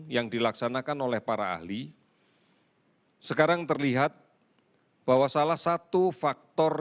yang dilaksanakan oleh para ahli sekarang terlihat bahwa salah satu faktor